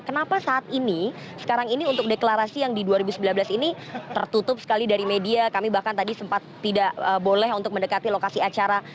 kenapa saat ini sekarang ini untuk deklarasi yang di dua ribu sembilan belas ini tertutup sekali dari media kami bahkan tadi sempat tidak boleh untuk mendekati lokasi acara